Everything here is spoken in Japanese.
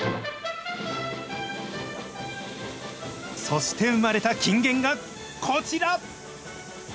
そして生まれた金言がこちら。